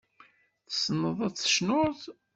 Tessneḍ ad tecnuḍ?